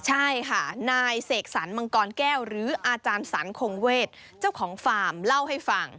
ใช่ค่ะนายเสกสรรมังกรแก้วหรืออาจารย์สรรคงเวทเจ้าของฟาร์มเล่าให้ฟัง